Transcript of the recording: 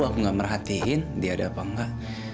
aku gak merhatiin dia ada apa enggak